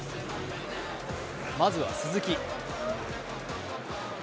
まずは鈴木。